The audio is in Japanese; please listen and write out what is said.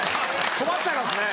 困っちゃいますね。